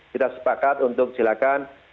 kita sepakat untuk silakan